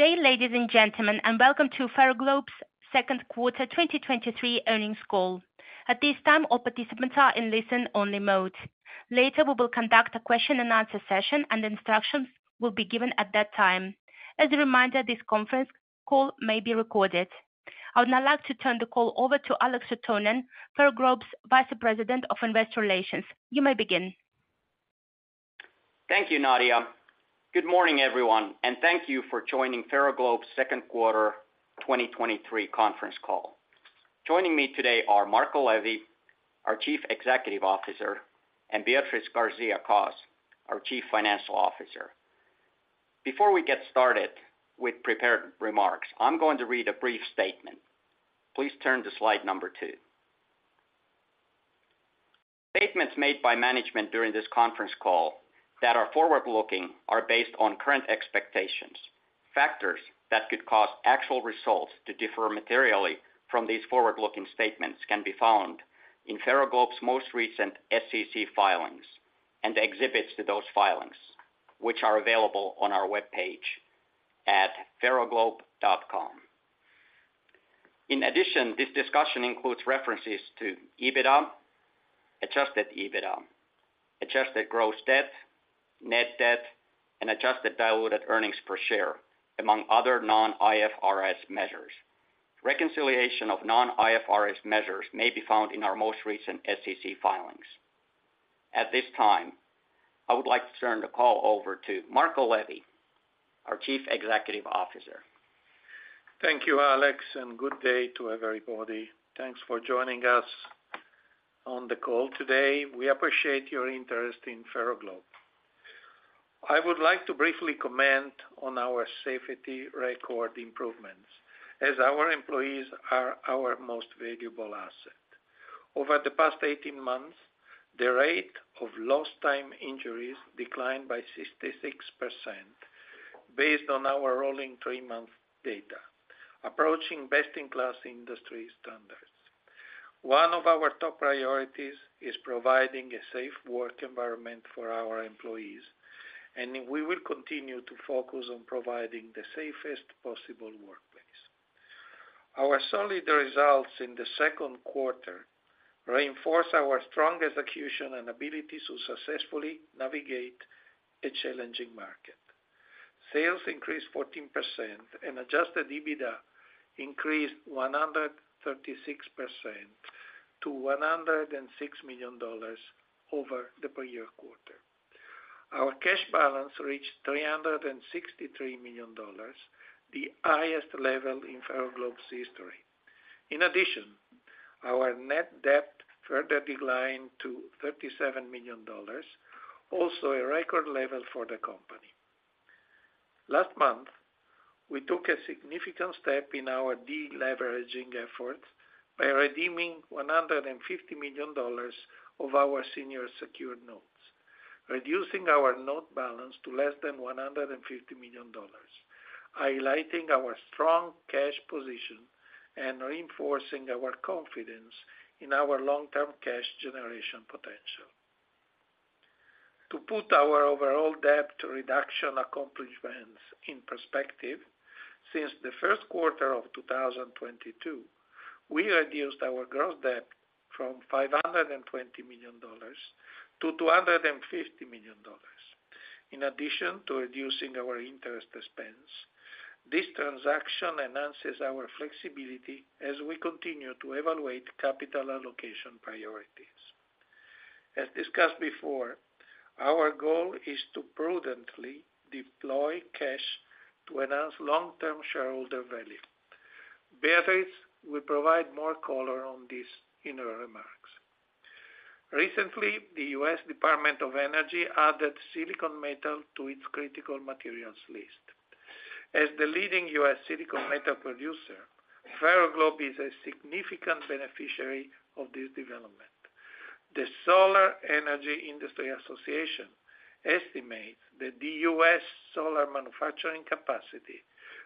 Good day, ladies and gentlemen, and welcome to Ferroglobe's second quarter 2023 earnings call. At this time, all participants are in listen-only mode. Later, we will conduct a question and answer session, and instructions will be given at that time. As a reminder, this conference call may be recorded. I would now like to turn the call over to Alex Rotonen, Ferroglobe's Vice President of Investor Relations. You may begin. Thank you, Nadia. Good morning, everyone, and thank you for joining Ferroglobe's second quarter 2023 conference call. Joining me today are Marco Levi, our Chief Executive Officer, and Beatriz García-Cos, our Chief Financial Officer. Before we get started with prepared remarks, I'm going to read a brief statement. Please turn to slide number 2. Statements made by management during this conference call that are forward-looking are based on current expectations. Factors that could cause actual results to differ materially from these forward-looking statements can be found in Ferroglobe's most recent SEC filings and exhibits to those filings, which are available on our webpage at ferroglobe.com. In addition, this discussion includes references to EBITDA, Adjusted EBITDA, Adjusted gross debt, Net debt, and Adjusted diluted earnings per share, among other non-IFRS measures. Reconciliation of non-IFRS measures may be found in our most recent SEC filings. At this time, I would like to turn the call over to Marco Levi, our Chief Executive Officer. Thank you, Alex, and good day to everybody. Thanks for joining us on the call today. We appreciate your interest in Ferroglobe. I would like to briefly comment on our safety record improvements, as our employees are our most valuable asset. Over the past 18 months, the rate of lost time injuries declined by 66% based on our rolling 3-month data, approaching best-in-class industry standards. One of our top priorities is providing a safe work environment for our employees, and we will continue to focus on providing the safest possible workplace. Our solid results in the second quarter reinforce our strong execution and ability to successfully navigate a challenging market. Sales increased 14%, and Adjusted EBITDA increased 136% to $106 million over the prior year quarter. Our cash balance reached $363 million, the highest level in Ferroglobe's history. In addition, our net debt further declined to $37 million, also a record level for the company. Last month, we took a significant step in our deleveraging efforts by redeeming $150 million of our senior secured notes, reducing our note balance to less than $150 million, highlighting our strong cash position and reinforcing our confidence in our long-term cash generation potential. To put our overall debt reduction accomplishments in perspective, since the first quarter of 2022, we reduced our gross debt from $520 million to $250 million. In addition to reducing our interest expense, this transaction enhances our flexibility as we continue to evaluate capital allocation priorities. As discussed before, our goal is to prudently deploy cash to enhance long-term shareholder value. Beatriz will provide more color on this in her remarks. Recently, the U.S. Department of Energy added silicon metal to its critical materials list. As the leading U.S. silicon metal producer, Ferroglobe is a significant beneficiary of this development. The Solar Energy Industries Association estimates that the U.S. solar manufacturing capacity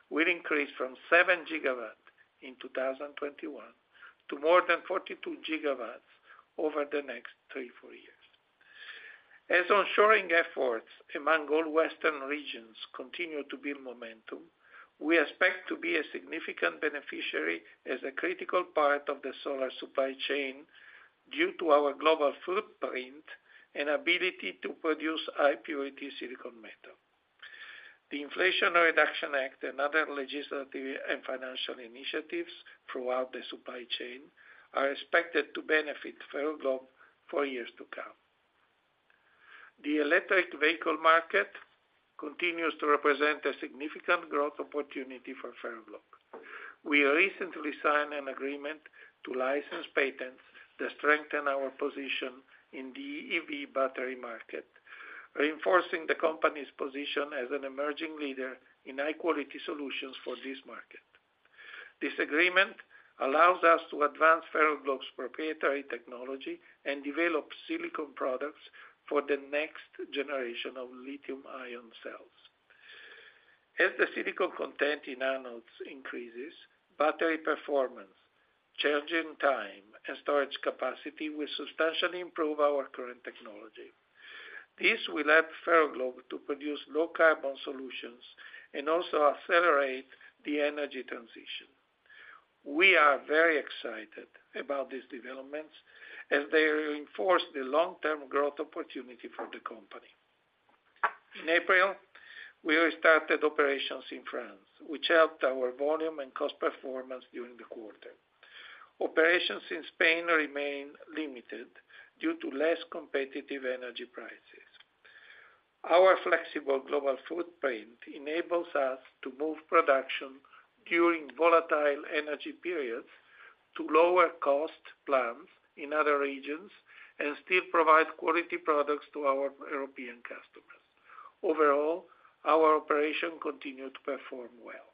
will increase from 7 gigaw in 2021 to more than 42 GW over the next 3, 4 years. As onshoring efforts among all Western regions continue to build momentum, we expect to be a significant beneficiary as a critical part of the solar supply chain due to our global footprint and ability to produce high-purity silicon metal. The Inflation Reduction Act and other legislative and financial initiatives throughout the supply chain are expected to benefit Ferroglobe for years to come. The electric vehicle market continues to represent a significant growth opportunity for Ferroglobe. We recently signed an agreement to license patents that strengthen our position in the EV battery market, reinforcing the company's position as an emerging leader in high-quality solutions for this market. This agreement allows us to advance Ferroglobe's proprietary technology and develop silicon products for the next generation of lithium-ion cells. As the silicon content in anodes increases, battery performance, charging time, and storage capacity will substantially improve our current technology. This will help Ferroglobe to produce low carbon solutions and also accelerate the energy transition. We are very excited about these developments, as they reinforce the long-term growth opportunity for the company. In April, we restarted operations in France, which helped our volume and cost performance during the quarter. Operations in Spain remain limited due to less competitive energy prices. Our flexible global footprint enables us to move production during volatile energy periods to lower cost plants in other regions, still provide quality products to our European customers. Overall, our operation continued to perform well.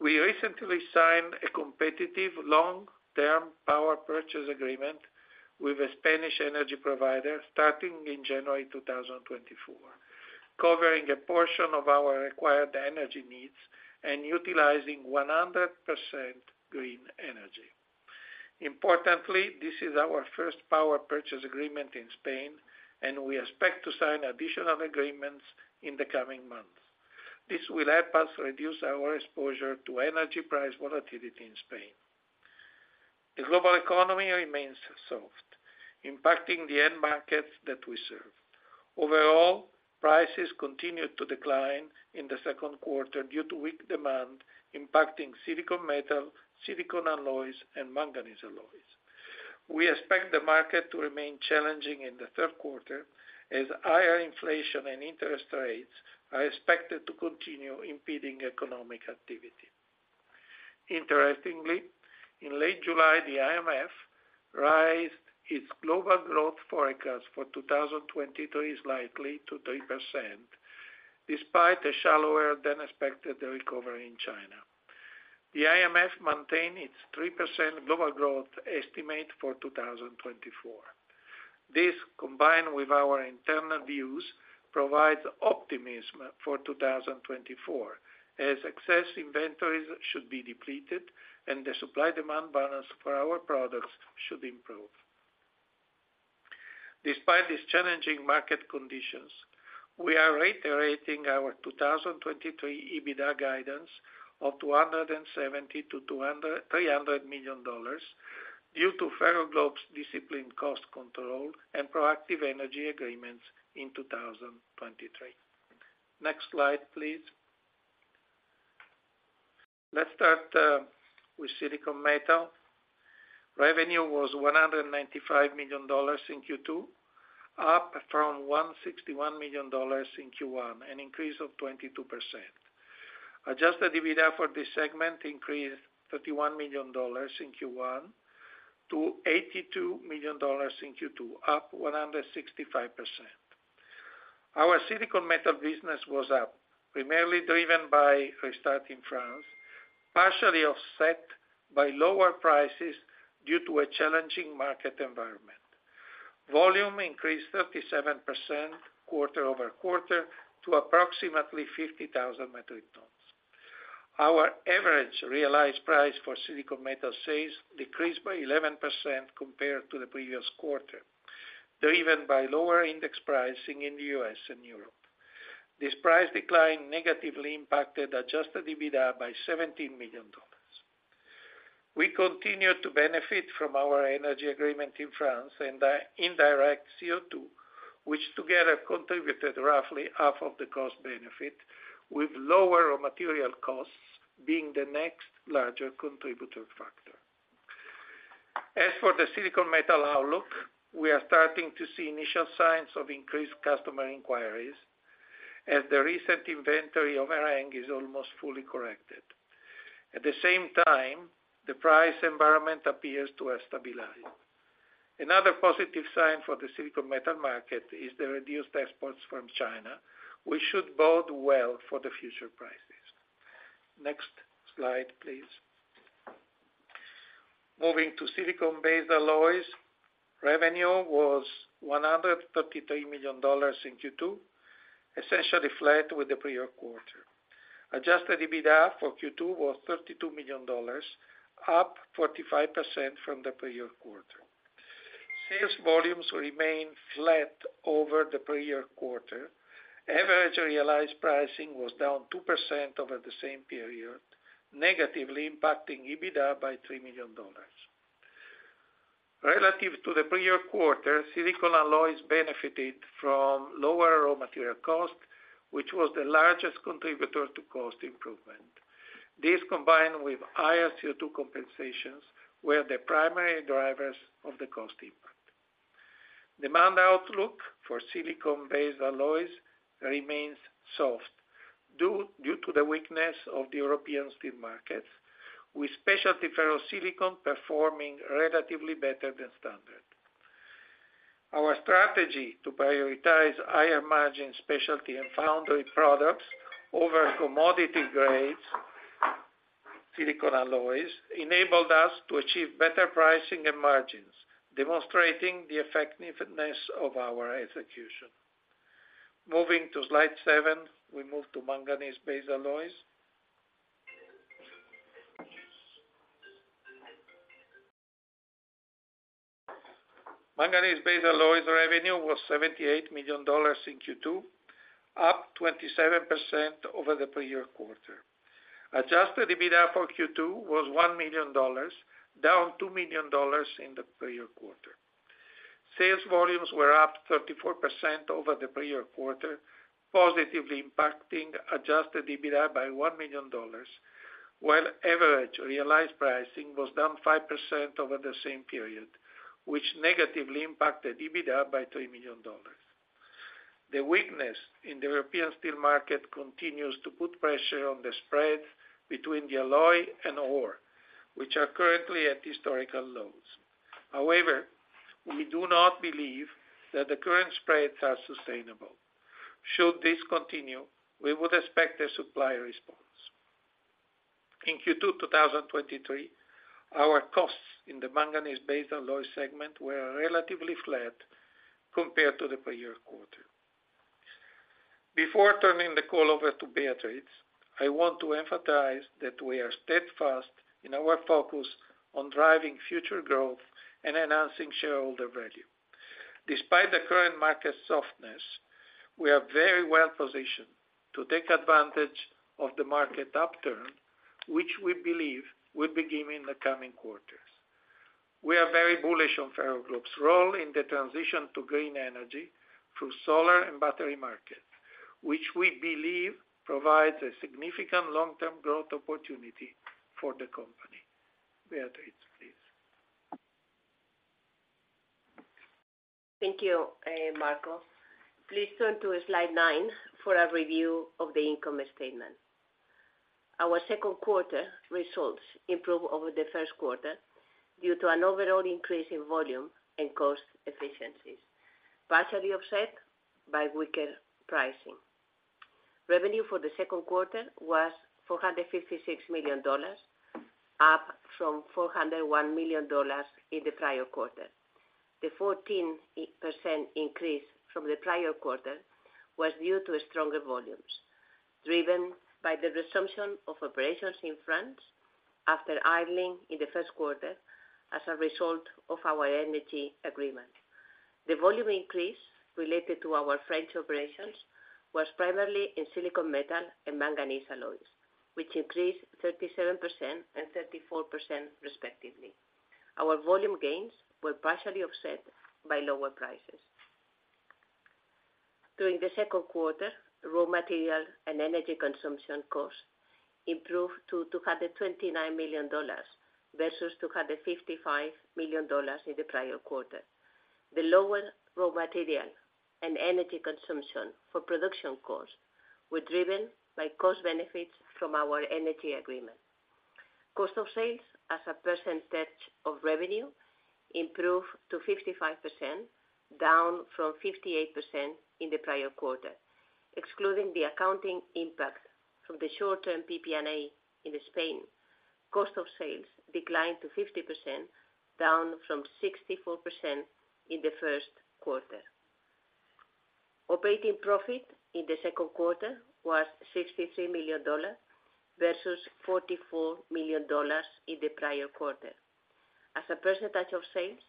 We recently signed a competitive long-term power purchase agreement with a Spanish energy provider starting in January 2024, covering a portion of our required energy needs and utilizing 100% green energy. Importantly, this is our first power purchase agreement in Spain, we expect to sign additional agreements in the coming months. This will help us reduce our exposure to energy price volatility in Spain. The global economy remains soft, impacting the end markets that we serve. Overall, prices continued to decline in the second quarter due to weak demand, impacting silicon metal, silicon alloys, and manganese alloys. We expect the market to remain challenging in the third quarter, as higher inflation and interest rates are expected to continue impeding economic activity. Interestingly, in late July, the IMF raised its global growth forecast for 2023 slightly to 3%, despite a shallower-than-expected recovery in China. The IMF maintained its 3% global growth estimate for 2024. This, combined with our internal views, provides optimism for 2024, as excess inventories should be depleted and the supply-demand balance for our products should improve. Despite these challenging market conditions, we are reiterating our 2023 EBITDA guidance of $270 million-$300 million, due to Ferroglobe's disciplined cost control and proactive energy agreements in 2023. Next slide, please. Let's start with silicon metal. Revenue was $195 million in Q2, up from $161 million in Q1, an increase of 22%. Adjusted EBITDA for this segment increased $31 million in Q1 to $82 million in Q2, up 165%. Our silicon metal business was up, primarily driven by restart in France, partially offset by lower prices due to a challenging market environment. Volume increased 37% quarter-over-quarter to approximately 50,000 metric tons. Our average realized price for silicon metal sales decreased by 11% compared to the previous quarter, driven by lower index pricing in the U.S. and Europe. This price decline negatively impacted Adjusted EBITDA by $17 million. We continue to benefit from our energy agreement in France and the indirect CO2, which together contributed roughly half of the cost benefit, with lower raw material costs being the next larger contributor factor. As for the silicon metal outlook, we are starting to see initial signs of increased customer inquiries, as the recent inventory overhang is almost fully corrected. At the same time, the price environment appears to have stabilized. Another positive sign for the silicon metal market is the reduced exports from China, which should bode well for the future prices. Next slide, please. Moving to silicon-based alloys, revenue was $133 million in Q2, essentially flat with the prior quarter. Adjusted EBITDA for Q2 was $32 million, up 45% from the prior quarter. Sales volumes remained flat over the prior quarter. Average realized pricing was down 2% over the same period, negatively impacting EBITDA by $3 million. Relative to the prior quarter, silicon alloys benefited from lower raw material cost, which was the largest contributor to cost improvement. This, combined with higher CO2 compensations, were the primary drivers of the cost impact. Demand outlook for silicon-based alloys remains soft, due to the weakness of the European steel markets, with specialty ferrosilicon performing relatively better than standard. Our strategy to prioritize higher margin specialty and foundry products over commodity grades, silicon alloys, enabled us to achieve better pricing and margins, demonstrating the effectiveness of our execution. Moving to slide 7, we move to manganese-based alloys. Manganese-based alloys revenue was $78 million in Q2, up 27% over the prior quarter. Adjusted EBITDA for Q2 was $1 million, down $2 million in the prior quarter. Sales volumes were up 34% over the prior quarter, positively impacting Adjusted EBITDA by $1 million, while average realized pricing was down 5% over the same period, which negatively impacted EBITDA by $3 million. The weakness in the European steel market continues to put pressure on the spread between the alloy and ore, which are currently at historical lows. However, we do not believe that the current spreads are sustainable. Should this continue, we would expect a supply response. In Q2 2023, our costs in the manganese-based alloy segment were relatively flat compared to the prior quarter. Before turning the call over to Beatriz, I want to emphasize that we are steadfast in our focus on driving future growth and enhancing shareholder value. Despite the current market softness, we are very well positioned to take advantage of the market upturn, which we believe will begin in the coming quarters. We are very bullish on Ferroglobe's role in the transition to green energy through solar and battery markets, which we believe provides a significant long-term growth opportunity for the company. Beatriz, please. Thank you, Marco. Please turn to slide 9 for a review of the income statement. Our second quarter results improved over the first quarter due to an overall increase in volume and cost efficiencies, partially offset by weaker pricing. Revenue for the second quarter was $456 million, up from $401 million in the prior quarter. The 14% increase from the prior quarter was due to stronger volumes, driven by the resumption of operations in France after idling in the first quarter as a result of our energy agreement. The volume increase related to our French operations was primarily in silicon metal and manganese alloys, which increased 37% and 34% respectively. Our volume gains were partially offset by lower prices. During the second quarter, raw material and energy consumption costs improved to $229 million versus $255 million in the prior quarter. The lower raw material and energy consumption for production costs were driven by cost benefits from our energy agreement. Cost of sales as a percentage of revenue improved to 55%, down from 58% in the prior quarter. Excluding the accounting impact from the short-term PPA in Spain, cost of sales declined to 50%, down from 64% in the first quarter. Operating profit in the second quarter was $63 million versus $44 million in the prior quarter. As a percentage of sales,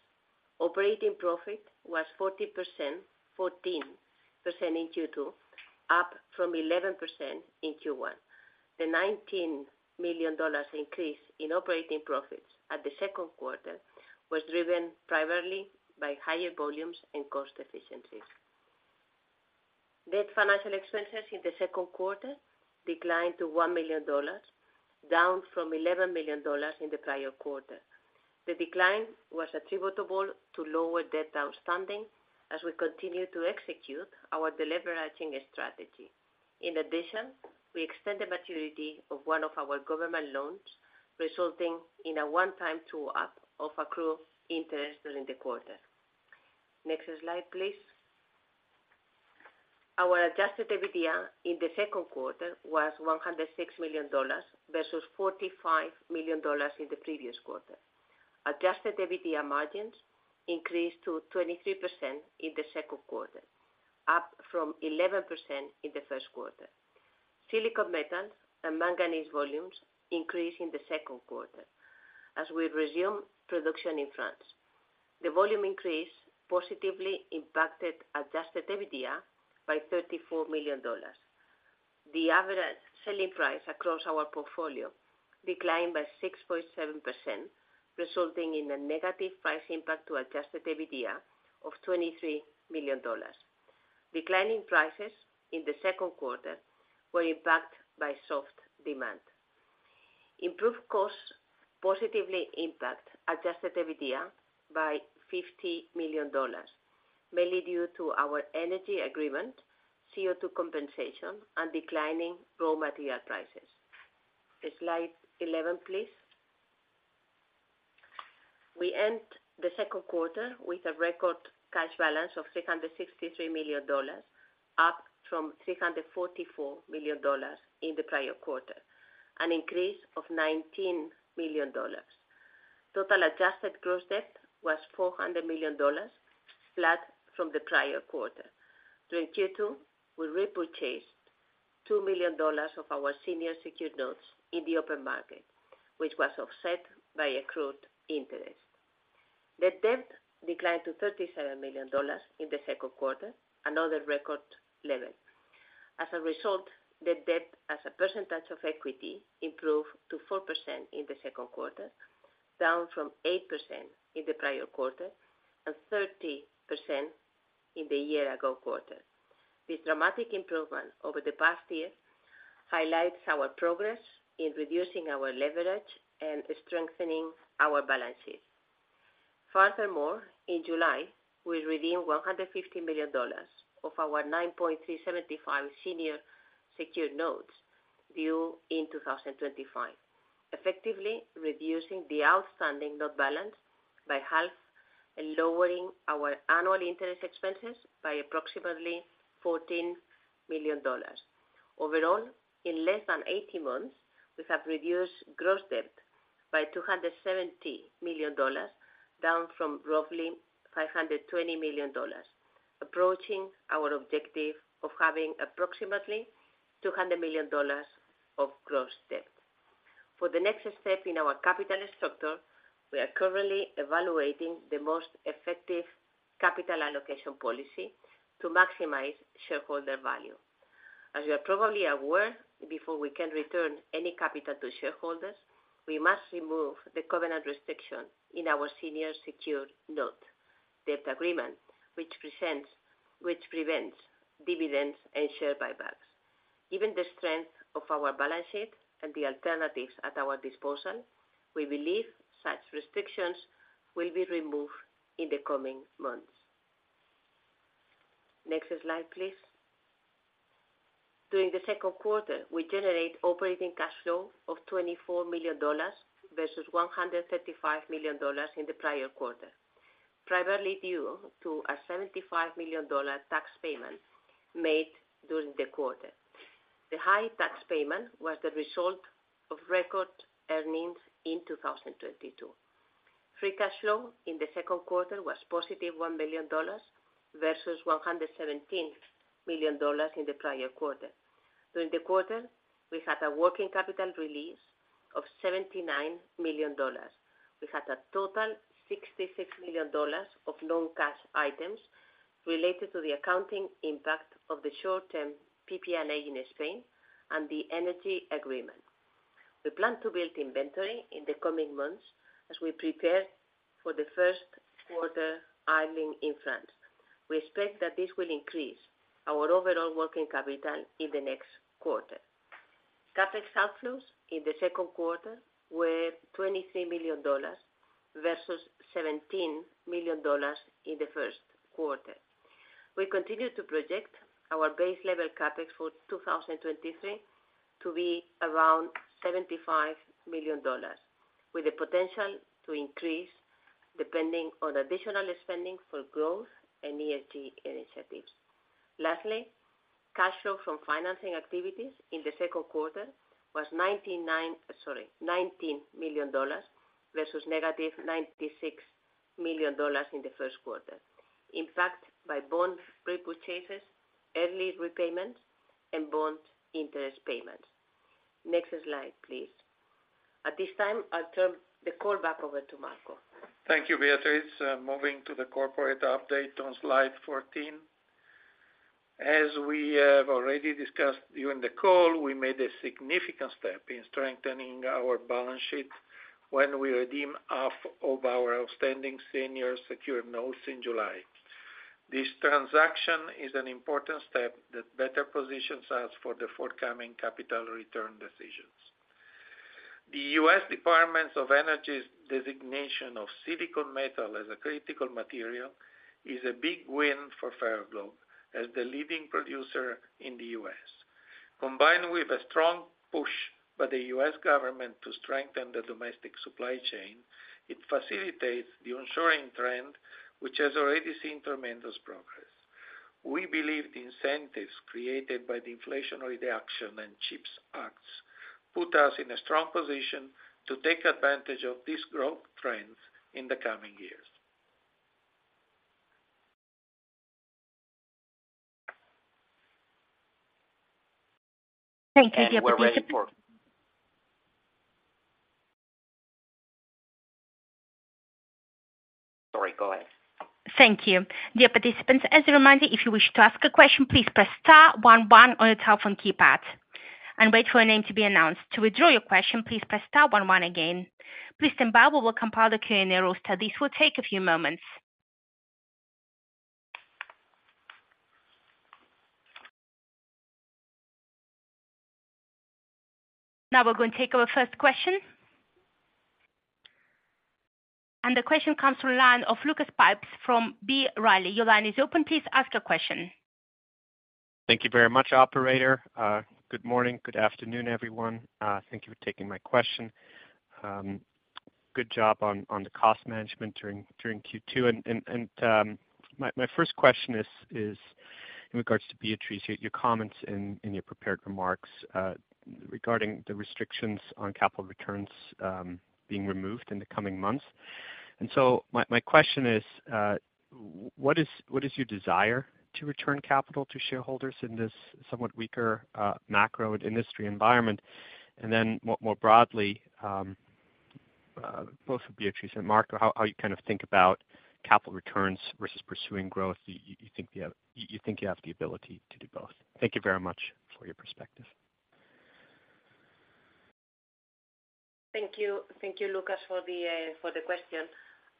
operating profit was 40%, 14% in Q2, up from 11% in Q1. The $19 million increase in operating profits at the second quarter was driven primarily by higher volumes and cost efficiencies. Net financial expenses in the second quarter declined to $1 million, down from $11 million in the prior quarter. The decline was attributable to lower debt outstanding as we continue to execute our deleveraging strategy. In addition, we extended the maturity of one of our government loans, resulting in a one-time true-up of accrued interest during the quarter. Next slide, please. Our Adjusted EBITDA in the second quarter was $106 million versus $45 million in the previous quarter. Adjusted EBITDA margins increased to 23% in the second quarter, up from 11% in the first quarter. Silicon metal and manganese volumes increased in the second quarter as we resumed production in France. The volume increase positively impacted Adjusted EBITDA by $34 million. The average selling price across our portfolio declined by 6.7%, resulting in a negative price impact to Adjusted EBITDA of $23 million. Declining prices in the second quarter were impacted by soft demand. Improved costs positively impact Adjusted EBITDA by $50 million, mainly due to our energy agreement, CO2 compensation, and declining raw material prices. Slide 11, please. We end the second quarter with a record cash balance of $663 million, up from $344 million in the prior quarter, an increase of $19 million. Total Adjusted gross debt was $400 million, flat from the prior quarter. During Q2, we repurchased $2 million of our senior secured notes in the open market, which was offset by accrued interest. The debt declined to $37 million in the second quarter, another record level. As a result, the debt as a percentage of equity improved to 4% in the second quarter, down from 8% in the prior quarter and 30% in the year ago quarter. This dramatic improvement over the past year highlights our progress in reducing our leverage and strengthening our balances. Furthermore, in July, we redeemed $150 million of our 9.375% Senior Secured Notes due in 2025, effectively reducing the outstanding note balance by half and lowering our annual interest expenses by approximately $14 million. Overall, in less than 18 months, we have reduced gross debt by $270 million, down from roughly $520 million, approaching our objective of having approximately $200 million of gross debt. For the next step in our capital structure, we are currently evaluating the most effective capital allocation policy to maximize shareholder value. As you are probably aware, before we can return any capital to shareholders, we must remove the covenant restriction in our senior secured note debt agreement, which prevents dividends and share buybacks. Given the strength of our balance sheet and the alternatives at our disposal, we believe such restrictions will be removed in the coming months. Next slide, please. During the second quarter, we generate operating cash flow of $24 million versus $135 million in the prior quarter, primarily due to a $75 million tax payment made during the quarter. The high tax payment was the result of record earnings in 2022. Free cash flow in the 2nd quarter was positive $1 million versus $117 million in the prior quarter. During the quarter, we had a working capital release of $79 million. We had a total $66 million of non-cash items related to the accounting impact of the short-term PPA in Spain and the energy agreement. We plan to build inventory in the coming months as we prepare for the 1st quarter idling in France. We expect that this will increase our overall working capital in the next quarter. CapEx outflows in the 2nd quarter were $23 million versus $17 million in the 1st quarter. We continue to project our base level CapEx for 2023 to be around $75 million, with the potential to increase, depending on additional spending for growth and ESG initiatives. Lastly, cash flow from financing activities in the second quarter was $99, sorry, $19 million versus negative $96 million in the first quarter, in fact, by bond repurchases, early repayments, and bond interest payments. Next slide, please. At this time, I'll turn the call back over to Marco. Thank you, Beatriz. Moving to the corporate update on slide 14. As we have already discussed during the call, we made a significant step in strengthening our balance sheet when we redeemed half of our outstanding Senior Secured Notes in July. This transaction is an important step that better positions us for the forthcoming capital return decisions. The U.S. Department of Energy's designation of silicon metal as a critical material is a big win for Ferroglobe as the leading producer in the U.S. Combined with a strong push by the U.S. government to strengthen the domestic supply chain, it facilitates the onshoring trend, which has already seen tremendous progress. We believe the incentives created by the Inflation Reduction and CHIPS Acts put us in a strong position to take advantage of these growth trends in the coming years. Thank you, dear participants. We're ready for. Sorry, go ahead. Thank you. Dear participants, as a reminder, if you wish to ask a question, please press star 11 on your telephone keypad and wait for your name to be announced. To withdraw your question, please press star 11 again. Please stand by, we will compile the Q&A roster. This will take a few moments. Now we're going to take our first question. The question comes from the line of Lucas Pipes from B. Riley. Your line is open. Please ask your question. Thank you very much, operator. Good morning, good afternoon, everyone. Thank you for taking my question. Good job on the cost management during Q2. My first question is in regards to Beatriz, your comments in your prepared remarks, regarding the restrictions on capital returns, being removed in the coming months. My question is, What is your desire to return capital to shareholders in this somewhat weaker, macro and industry environment? Then more broadly, both of Beatriz and Marco, how you kind of think about capital returns versus pursuing growth? You, you think you have, you think you have the ability to do both? Thank you very much for your perspective. Thank you. Thank you, Lucas, for the for the question.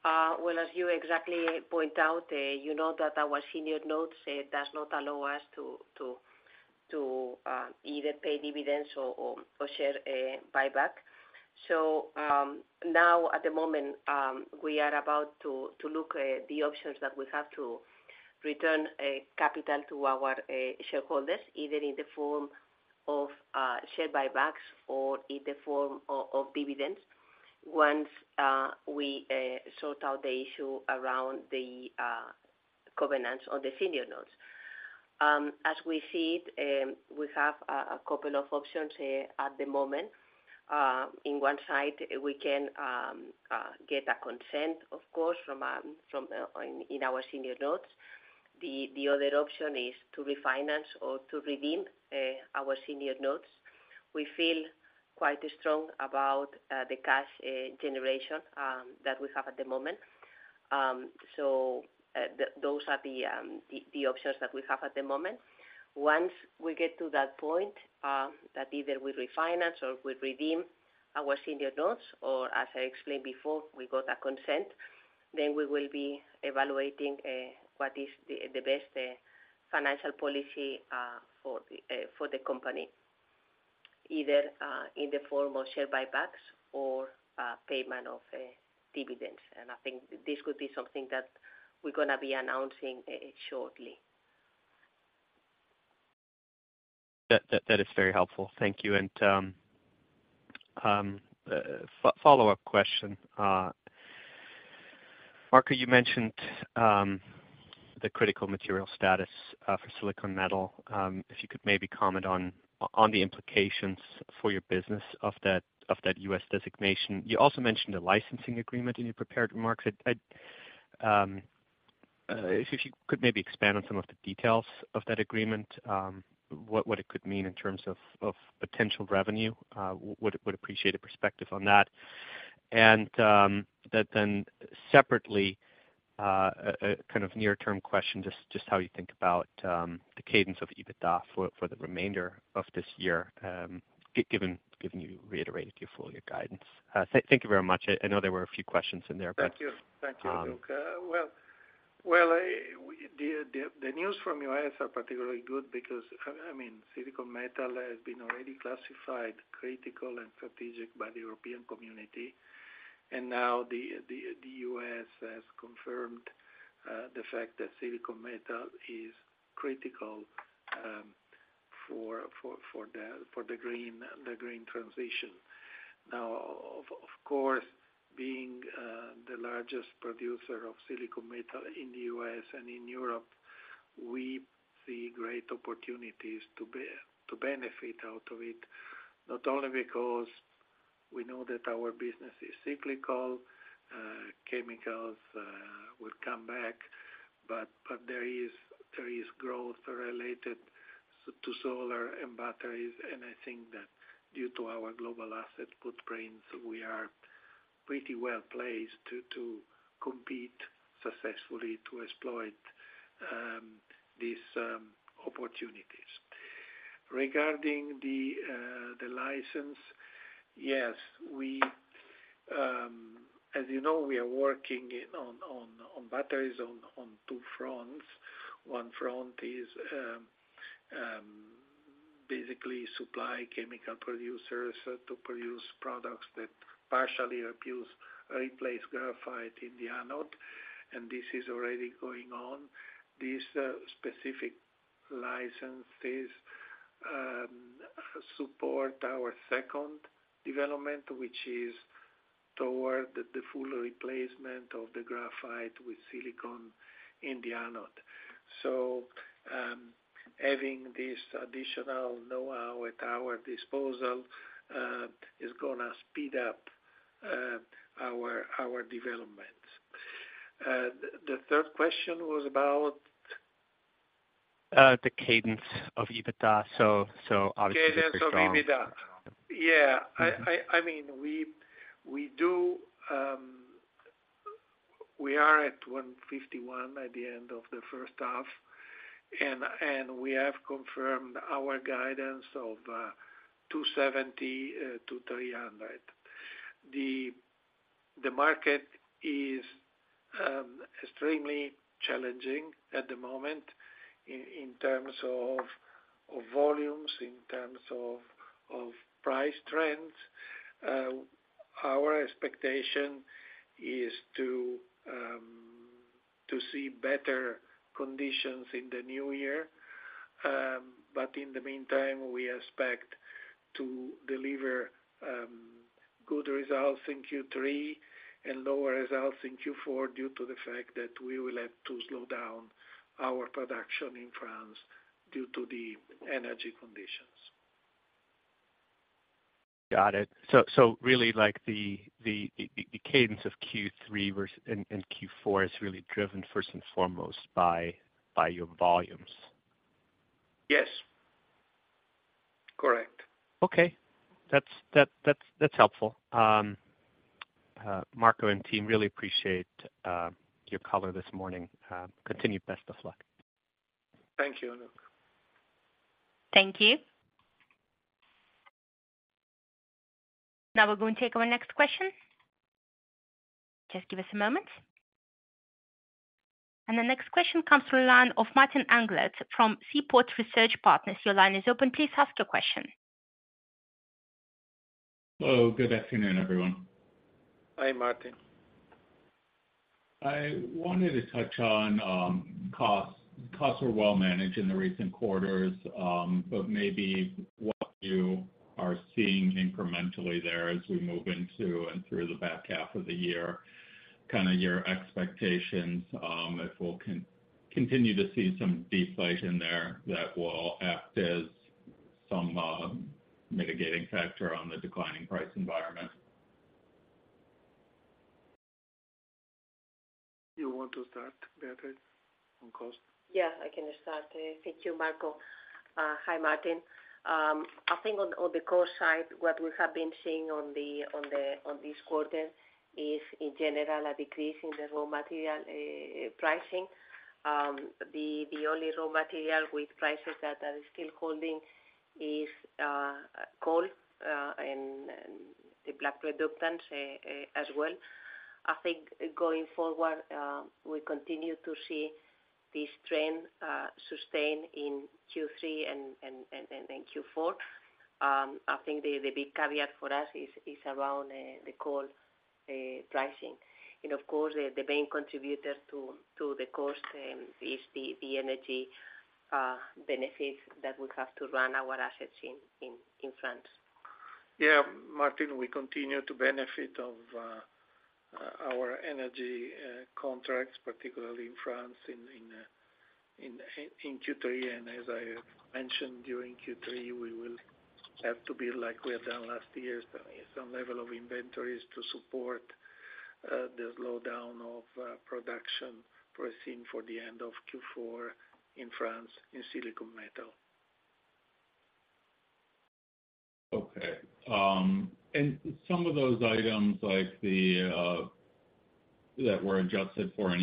Well, as you exactly point out, you know that our Senior Notes does not allow us to either pay dividends or share buyback. Now at the moment, we are about to look at the options that we have to return capital to our shareholders, either in the form of share buybacks or in the form of dividends, once we sort out the issue around the covenants on the Senior Notes. As we see it, we have a couple of options at the moment. In one side, we can get a consent, of course, from from in in our Senior Notes. The other option is to refinance or to redeem our Senior Notes. We feel quite strong about the cash generation that we have at the moment. So, those are the options that we have at the moment. Once we get to that point, that either we refinance or we redeem our senior notes, or as I explained before, we got a consent, then we will be evaluating what is the best financial policy for the company, either in the form of share buybacks or payment of dividends. I think this could be something that we're gonna be announcing shortly. That, that, that is very helpful. Thank you. Follow-up question. Marco, you mentioned the critical material status for silicon metal. If you could maybe comment on the implications for your business of that, of that U.S. designation. You also mentioned a licensing agreement in your prepared remarks. I, I, if, if you could maybe expand on some of the details of that agreement, what, what it could mean in terms of, of potential revenue, would, would appreciate a perspective on that. That then separately, a kind of near-term question, just how you think about the cadence of EBITDA for the remainder of this year, given, given you reiterated your full-year guidance. Thank you very much. I know there were a few questions in there, but- Thank you. Thank you, Lucas. Um. Well, well, we, the, the, the news from U.S. are particularly good because, I mean, silicon metal has been already classified critical and strategic by the European Union. The, the, the U.S. has confirmed the fact that silicon metal is critical for, for, for the, for the green, the green transition. Of, of course, being the largest producer of silicon metal in the U.S. and in Europe, we see great opportunities to benefit out of it, not only because we know that our business is cyclical, chemicals will come back, but, but there is, there is growth related to solar and batteries. I think that due to our global asset footprints, we are pretty well placed to, to compete successfully to exploit these opportunities. Regarding the license, yes, we, as you know, we are working on, on, on batteries on, on two fronts. One front is basically supply chemical producers to produce products that partially abuse, replace graphite in the anode, and this is already going on. These specific licenses support our second development, which is toward the full replacement of the graphite with silicon in the anode. Having this additional know-how at our disposal is gonna speed up our, our development. The, the third question was about? The cadence of EBITDA, so obviously. Cadence of EBITDA. Yeah. Yeah. I mean, we do, we are at $151 million at the end of the first half, and we have confirmed our guidance of $270 million-$300 million. The market is extremely challenging at the moment in terms of volumes, in terms of price trends. Our expectation is to see better conditions in the new year. In the meantime, we expect to deliver good results in Q3 and lower results in Q4, due to the fact that we will have to slow down our production in France due to the energy conditions. ... Got it. So really like the, the, the, the cadence of Q3 and Q4 is really driven first and foremost by, by your volumes? Yes. Correct. Okay. That's, that, that's, that's helpful. Marco and team, really appreciate your color this morning. Continued best of luck. Thank you, luc. Thank you. Now we're going to take our next question. Just give us a moment. The next question comes from the line of Martin Englert from Seaport Research Partners. Your line is open. Please ask your question. Hello, good afternoon, everyone. Hi, Martin. I wanted to touch on costs. Costs were well managed in the recent quarters. Maybe what you are seeing incrementally there as we move into and through the back half of the year, kind of your expectations, if we'll continue to see some deflation there that will act as some mitigating factor on the declining price environment. You want to start, Beatriz, on cost? Yeah, I can start. Thank you, Marco. Hi, Martin. I think on the cost side, what we have been seeing on this quarter is, in general, a decrease in the raw material pricing. The only raw material with prices that are still holding is coal and the black reductant as well. I think going forward, we continue to see this trend sustain in Q3 and Q4. I think the big caveat for us is around the coal pricing. Of course, the main contributor to the cost is the energy benefits that we have to run our assets in France. Yeah, Martin, we continue to benefit of our energy contracts, particularly in France, in, in, in Q3. As I have mentioned during Q3, we will have to be like we have done last years, some level of inventories to support the slowdown of production foreseen for the end of Q4 in France, in silicon metal. Okay. Some of those items like the that were adjusted for in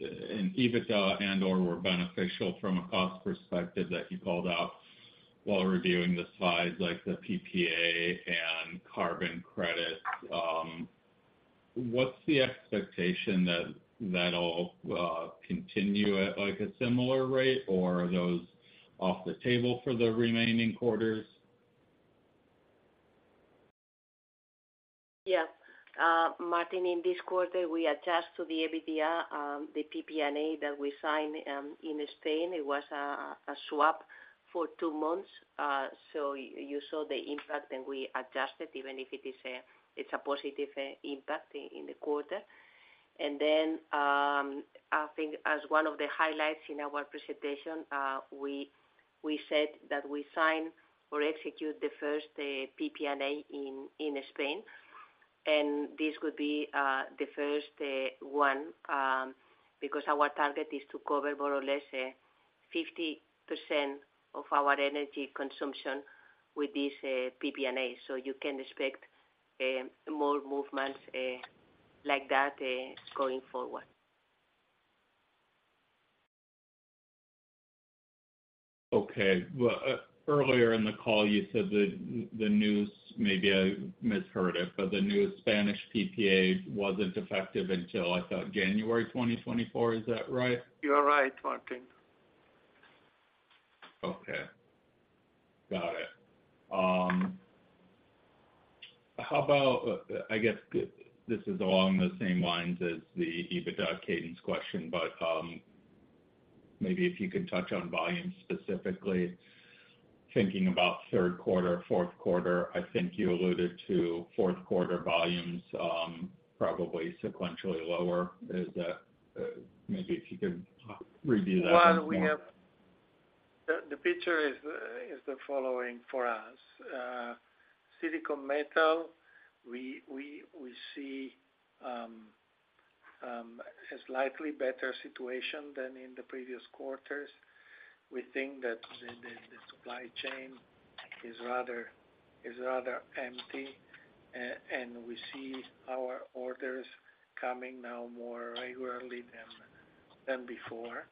EBITDA and or were beneficial from a cost perspective that you called out while reviewing the slides, like the PPA and carbon credit, what's the expectation that that'll continue at, like, a similar rate, or are those off the table for the remaining quarters? Yeah. Martin, in this quarter, we attached to the EBITDA the PPA that we signed in Spain. It was a swap for 2 months. You saw the impact, and we adjusted, even if it is a positive impact in the quarter. I think as one of the highlights in our presentation, we said that we sign or execute the first PPA in Spain, and this would be the first one because our target is to cover more or less 50% of our energy consumption with this PPA. You can expect more movements like that going forward. Okay. Well, earlier in the call, you said the, the news, maybe I misheard it, but the new Spanish PPA wasn't effective until, I thought, January 2024. Is that right? You are right, Martin. Okay. Got it. How about, I guess this is along the same lines as the EBITDA cadence question. Maybe if you could touch on volumes, specifically thinking about third quarter, fourth quarter. I think you alluded to fourth quarter volumes, probably sequentially lower. Is that, maybe if you could review that? Well, the picture is the following for us. Silicon metal, we see a slightly better situation than in the previous quarters. We think that the supply chain is rather empty, and we see our orders coming now more regularly than before.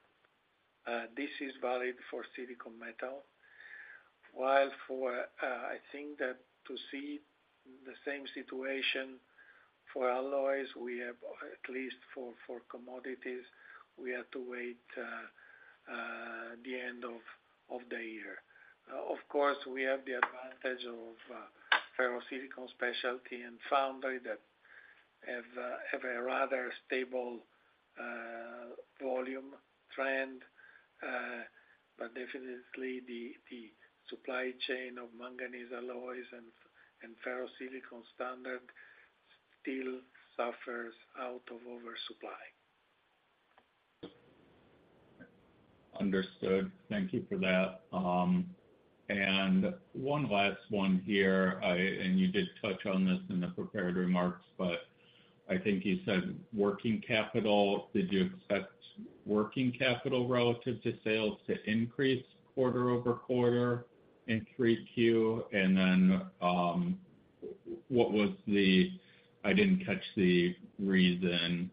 This is valid for silicon metal. While for, I think that to see the same situation for alloys, we have, at least for commodities, we have to wait the end of the year. Of course, we have the advantage of ferrosilicon specialty and foundry that have a rather stable volume trend, but definitely the supply chain of manganese alloys and ferrosilicon standard still suffers out of oversupply. Understood. Thank you for that. One last one here. You did touch on this in the prepared remarks, but I think you said working capital. Did you expect working capital relative to sales to increase quarter-over-quarter in 3Q? What was the-- I didn't catch the reason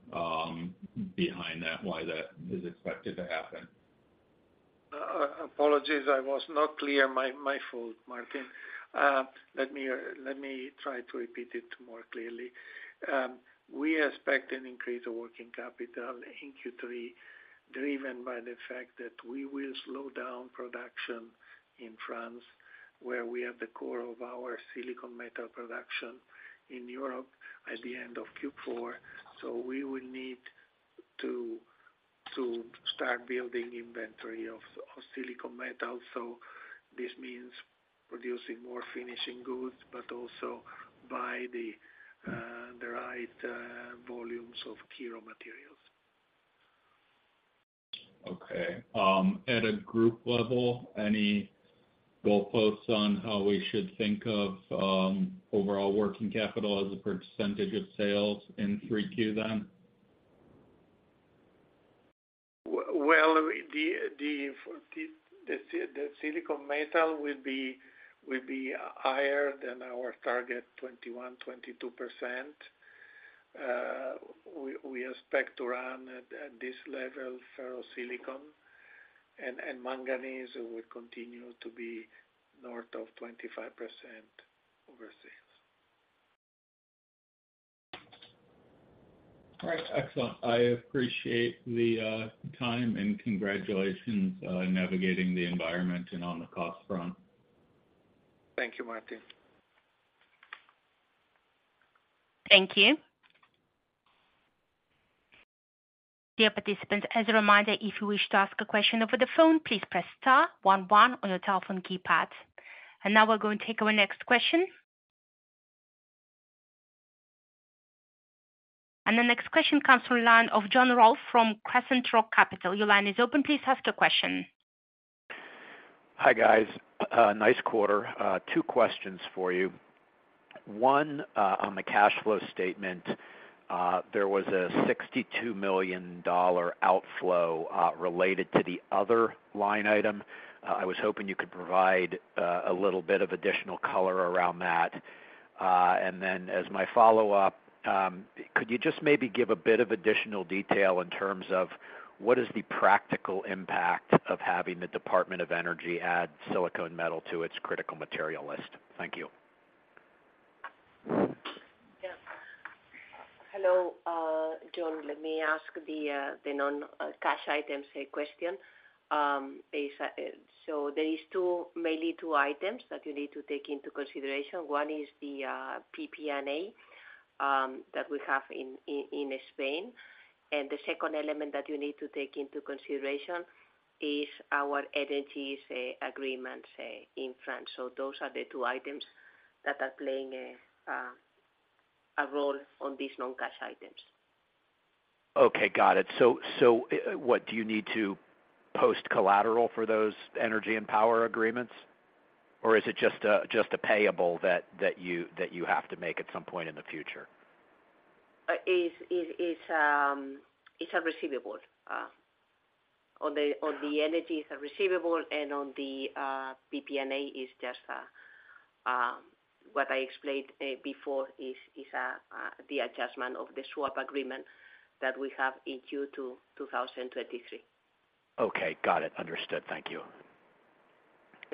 behind that, why that is expected to happen. Apologies, I was not clear. My, my fault, Martin. Let me, let me try to repeat it more clearly. We expect an increase of working capital in Q3, driven by the fact that we will slow down production in France, where we have the core of our silicon metal production in Europe at the end of Q4. We will need to, to start building inventory of, of silicon metal. This means producing more finishing goods, but also buy the right volumes of key raw materials. Okay. At a group level, any goalposts on how we should think of, overall working capital as a % of sales in 3Q then? Well, the silicon metal will be, will be higher than our target 21%-22%. We, we expect to run at, at this level, ferrosilicon, and, and manganese will continue to be north of 25% over sales. All right. Excellent. I appreciate the time and congratulations navigating the environment and on the cost front. Thank you, Martin. Thank you. Dear participants, as a reminder, if you wish to ask a question over the phone, please press star 1 1 on your telephone keypad. Now we're going to take our next question. The next question comes from line of John Rolfe from Crescent Rock Capital. Your line is open. Please ask the question. Hi, guys. Nice quarter. Two questions for you. One, on the cash flow statement, there was a $62 million outflow related to the other line item. I was hoping you could provide a little bit of additional color around that. And then as my follow-up, could you just maybe give a bit of additional detail in terms of what is the practical impact of having the Department of Energy add silicon metal to its critical material list? Thank you. Yeah. Hello, John. Let me ask the non-cash items question. There is two, mainly two items that you need to take into consideration. One is the PPA that we have in, in, in Spain, the second element that you need to take into consideration is our energy agreements in France. Those are the two items that are playing a role on these non-cash items. Okay. Got it. So, do you need to post collateral for those energy and power agreements, or is it just a payable that you have to make at some point in the future? It's a receivable. On the energy is a receivable, and on the PPA is just what I explained before, the adjustment of the swap agreement that we have in Q2, 2023. Okay. Got it. Understood. Thank you.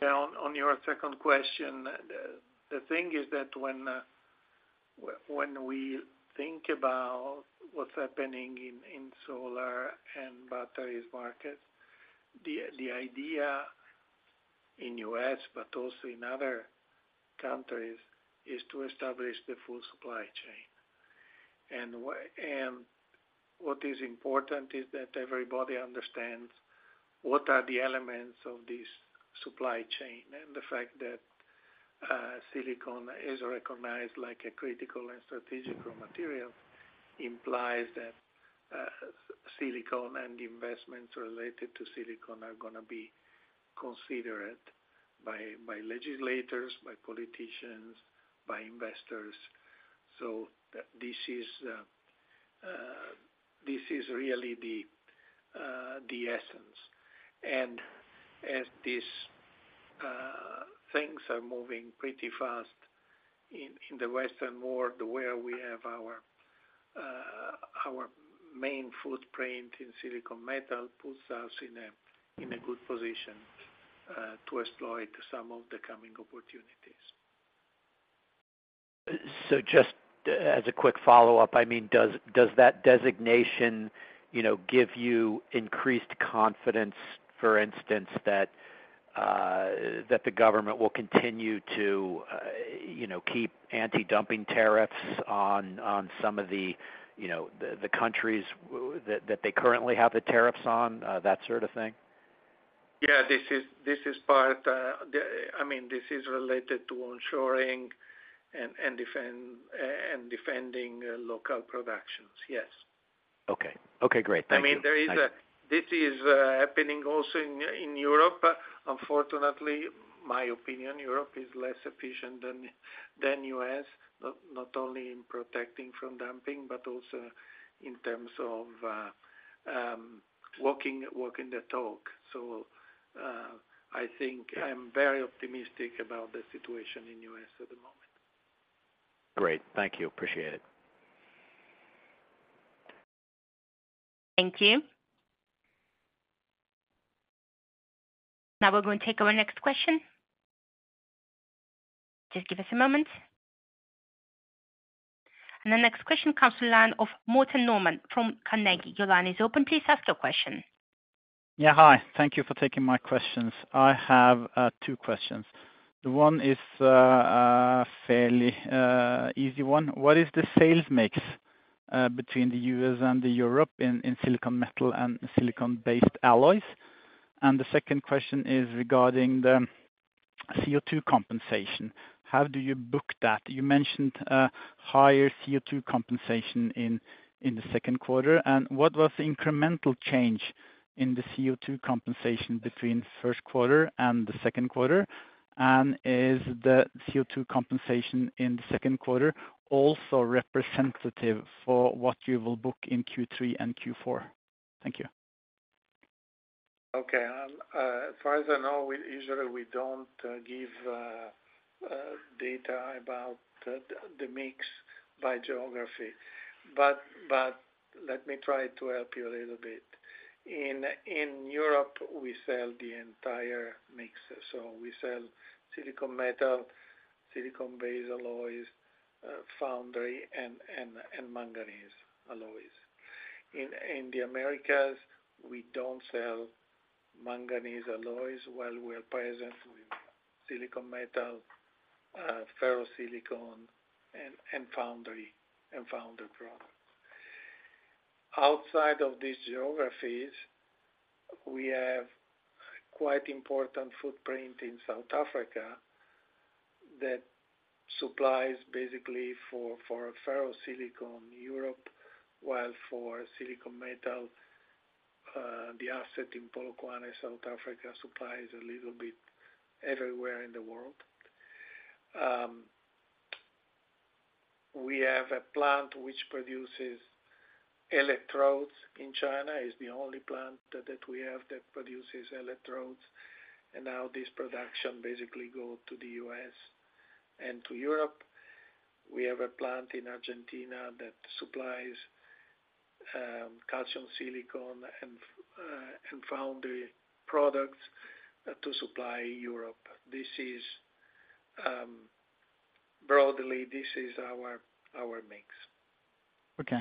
Yeah. On, on your second question, the, the thing is that when we think about what's happening in, in solar and batteries market, the, the idea in U.S., but also in other countries, is to establish the full supply chain. What is important is that everybody understands what are the elements of this supply chain, and the fact that silicon is recognized like a critical and strategic material implies that silicon and investments related to silicon are gonna be considered by, by legislators, by politicians, by investors. This is, this is really the, the essence. As these things are moving pretty fast in, in the Western world, where we have our, our main footprint in silicon metal, puts us in a, in a good position to exploit some of the coming opportunities. Just as a quick follow-up, I mean, does, does that designation, you know, give you increased confidence, for instance, that, that the government will continue to, you know, keep anti-dumping tariffs on, on some of the, you know, the, the countries that, that they currently have the tariffs on, that sort of thing? Yeah, this is, this is part, I mean, this is related to onshoring and defending local productions. Yes. Okay. Okay, great. Thank you. I mean, there is this is happening also in, in Europe. Unfortunately, my opinion, Europe is less efficient than, than U.S., not only in protecting from dumping, but also in terms of walking the talk. I think I'm very optimistic about the situation in U.S. at the moment. Great. Thank you. Appreciate it. Thank you. Now we're going to take our next question. Just give us a moment. The next question comes to the line of Morten Normann from Carnegie. Your line is open. Please ask your question. Yeah, hi. Thank you for taking my questions. I have two questions. The one is a fairly easy one. What is the sales mix between the U.S. and Europe in silicon metal and silicon-based alloys? The second question is regarding the CO2 compensation. How do you book that? You mentioned higher CO2 compensation in the second quarter, and what was the incremental change in the CO2 compensation between first quarter and the second quarter? Is the CO2 compensation in the second quarter also representative for what you will book in Q3 and Q4? Thank you. Okay. As far as I know, we usually we don't give data about the mix by geography. Let me try to help you a little bit. In Europe, we sell the entire mix, so we sell silicon metal, silicon-based alloys, foundry and manganese alloys. In the Americas, we don't sell manganese alloys, while we're present with silicon metal, ferrosilicon, and foundry products. Outside of these geographies, we have quite important footprint in South Africa that supplies basically for ferrosilicon Europe, while for silicon metal, the asset in Polokwane, South Africa, supplies a little bit everywhere in the world. We have a plant which produces electrodes in China, is the only plant that we have that produces electrodes, and now this production basically go to the U.S. and to Europe. We have a plant in Argentina that supplies, calcium silicon, and, and foundry products to supply Europe. This is, broadly, this is our, our mix. Okay.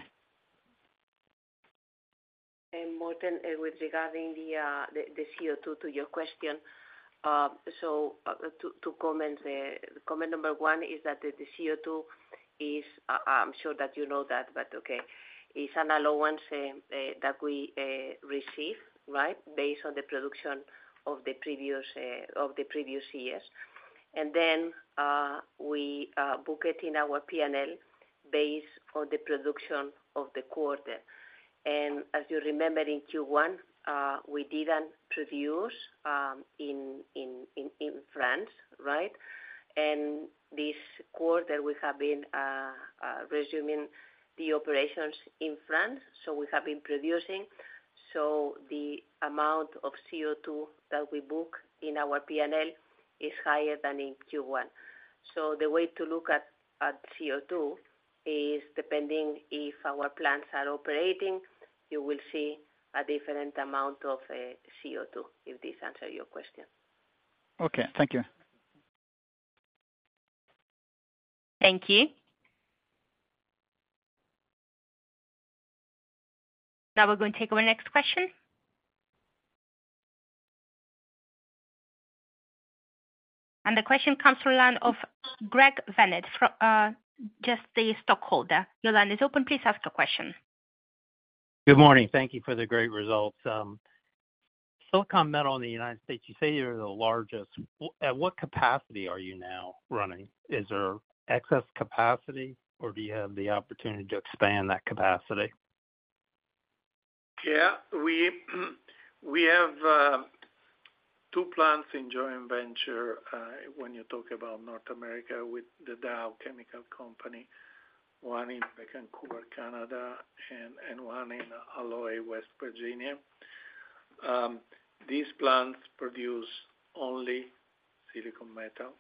Morten, with regarding the CO2 to your question. Two comments. Comment number one is that the CO2 is, I'm sure that you know that, but okay. It's an allowance that we receive, right? Based on the production of the previous of the previous years. We book it in our P&L based on the production of the quarter. As you remember, in Q1, we didn't produce in France, right? This quarter, we have been resuming the operations in France, so we have been producing. The amount of CO2 that we book in our P&L is higher than in Q1. The way to look at, at CO2 is depending if our plants are operating, you will see a different amount of CO2, if this answer your question? Okay. Thank you. Thank you. Now we're going to take our next question. The question comes to the line of Greg Venit from just the stockholder. Your line is open, please ask your question. Good morning. Thank you for the great results. silicon metal in the United States, you say you're the largest. What capacity are you now running? Is there excess capacity, or do you have the opportunity to expand that capacity? Yeah. We, we have two plants in joint venture, when you talk about North America, with The Dow Chemical Company, one in Vancouver, Canada, and one in Alloy, West Virginia. These plants produce only silicon metal.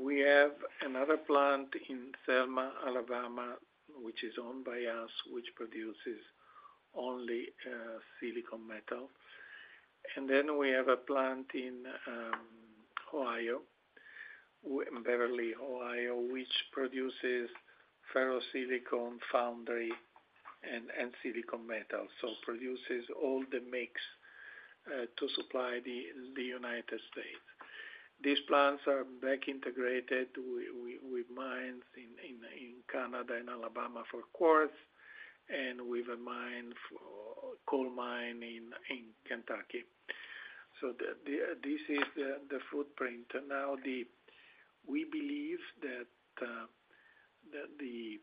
We have another plant in Selma, Alabama, which is owned by us, which produces only silicon metal. Then we have a plant in Ohio, Beverly, Ohio, which produces ferrosilicon foundry and silicon metal, so produces all the mix to supply the United States. These plants are back integrated with, with, with mines in, in, in Canada and Alabama for quartz, and with a mine for, coal mine in, in Kentucky. The, the, this is the, the footprint. We believe that, that the,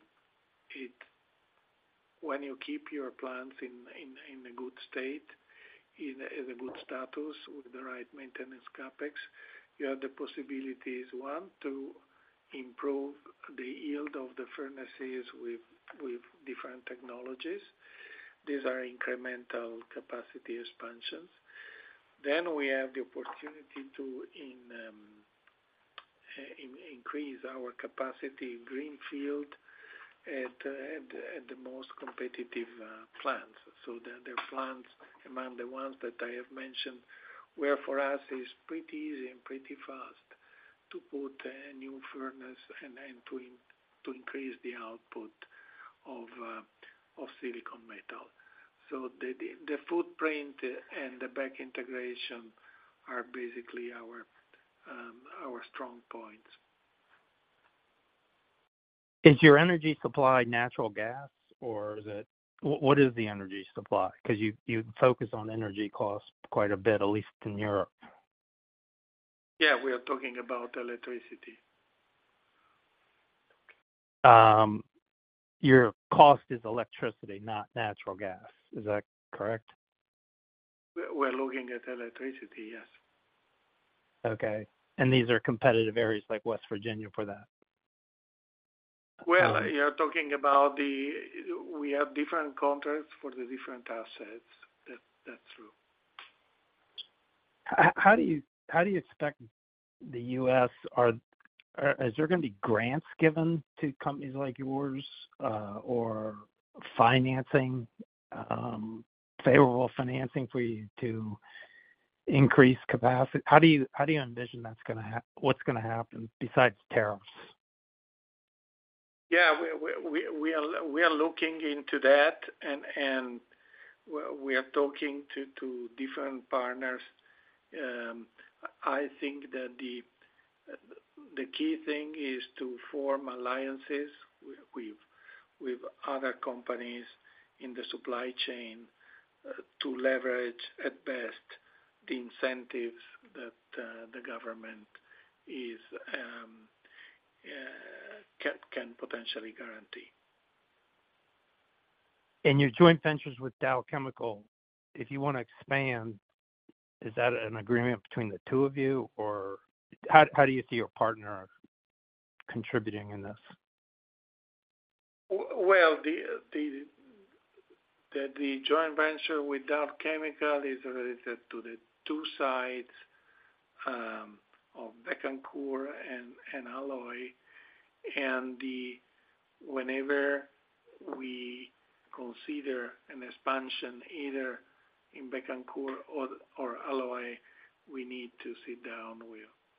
when you keep your plants in, in, in a good state, in a, in a good status with the right maintenance CapEx, you have the possibilities, one, to improve the yield of the furnaces with, with different technologies. These are incremental capacity expansions. We have the opportunity to increase our capacity in greenfield at, at, at the most competitive plants. The, the plants, among the ones that I have mentioned, where for us is pretty easy and pretty fast to put a new furnace and, and to increase the output of silicon metal. The, the, the footprint and the back integration are basically our strong points. Is your energy supply natural gas, or is it... what is the energy supply? Because you, you focus on energy costs quite a bit, at least in Europe. Yeah, we are talking about electricity. Your cost is electricity, not natural gas. Is that correct? We're looking at electricity, yes. Okay, these are competitive areas like West Virginia for that? Well, you're talking about the... We have different contracts for the different assets. That, that's true. How do you, how do you expect the U.S., is there going to be grants given to companies like yours, or financing, favorable financing for you to increase capacity? How do you, how do you envision what's gonna happen besides tariffs? Yeah, we, we, we, we are, we are looking into that, and, and we, we are talking to, to different partners. I think that the, the key thing is to form alliances w-with, with other companies in the supply chain, to leverage at best the incentives that, the government is, can, can potentially guarantee. In your joint ventures with Dow Chemical, if you want to expand, is that an agreement between the two of you, or how, how do you see your partner contributing in this? Well, the joint venture with Dow Chemical is related to the two sides of Bécancour and Alloy. Whenever we consider an expansion, either in Bécancour or Alloy, we need to sit down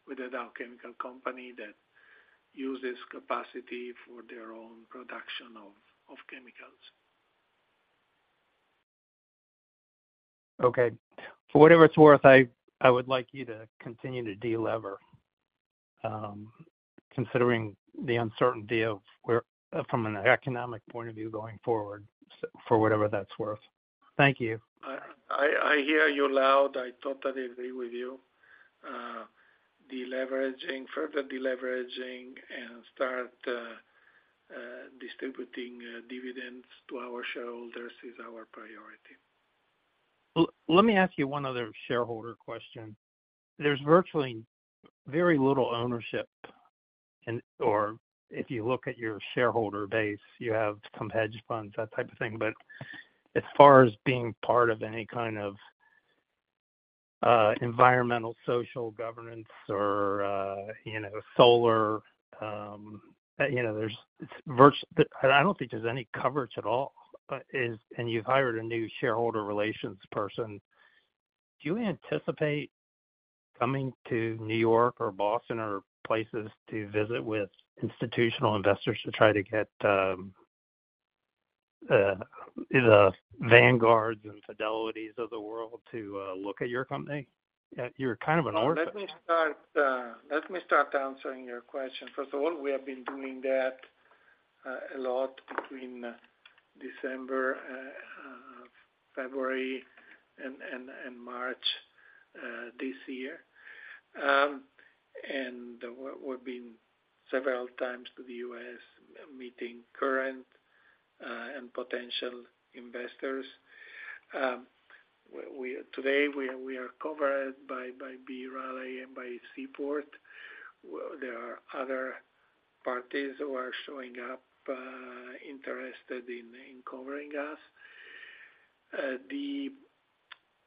with The Dow Chemical Company that uses capacity for their own production of chemicals. Okay. For whatever it's worth, I, I would like you to continue to delever, considering the uncertainty of where, from an economic point of view, going forward, for whatever that's worth. Thank you. I, I, I hear you loud. I totally agree with you. Deleveraging, further deleveraging and start distributing dividends to our shareholders is our priority. Well, let me ask you one other shareholder question. There's virtually very little ownership and, or if you look at your shareholder base, you have some hedge funds, that type of thing. As far as being part of any kind of, environmental, social governance or, you know, solar, you know, I don't think there's any coverage at all. You've hired a new shareholder relations person. Do you anticipate coming to New York or Boston or places to visit with institutional investors to try to get the Vanguards and Fidelities of the world to look at your company? At you're kind of an orphan. Let me start, let me start answering your question. First of all, we have been doing that a lot between December, February and March this year. We, we've been several times to the U.S., meeting current and potential investors. We, today, we, we are covered by B. Riley and by Seaport. There are other parties who are showing up, interested in covering us. The,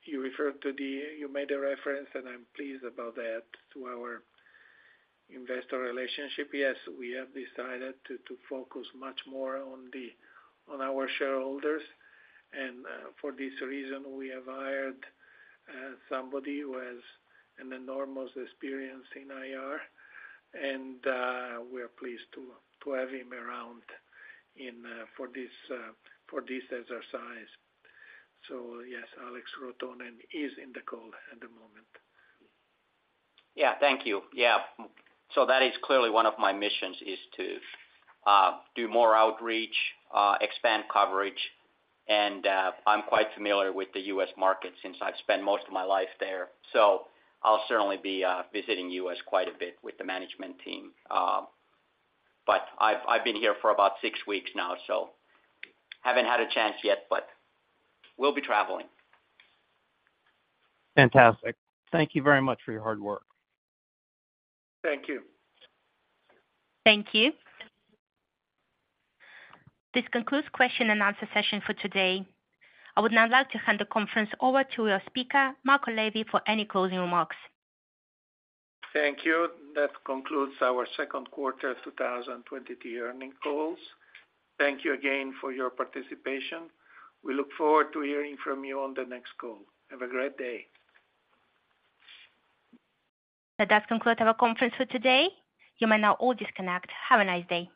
you referred to the... You made a reference, and I'm pleased about that, to our investor relationship. Yes, we have decided to, to focus much more on the, on our shareholders. For this reason, we have hired somebody who has an enormous experience in IR, and we are pleased to have him around in for this for this exercise. Yes, Alex Rotonen is in the call at the moment. Yeah. Thank you. Yeah. That is clearly one of my missions, is to do more outreach, expand coverage, and I'm quite familiar with the U.S. market since I've spent most of my life there. I'll certainly be visiting U.S. quite a bit with the management team. I've, I've been here for about 6 weeks now, so haven't had a chance yet, but we'll be traveling. Fantastic. Thank you very much for your hard work. Thank you. Thank you. This concludes question and answer session for today. I would now like to hand the conference over to your speaker, Marco Levi, for any closing remarks. Thank you. That concludes our second quarter of 2022 earnings calls. Thank you again for your participation. We look forward to hearing from you on the next call. Have a great day. That concludes our conference for today. You may now all disconnect. Have a nice day.